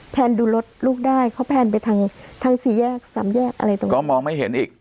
แนนดูรถลูกได้เขาแพนไปทางทางสี่แยกสามแยกอะไรตรงเนี้ยก็มองไม่เห็นอีก